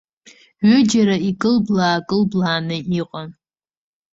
Ҩыџьара икылблаа-кылблааны иҟан.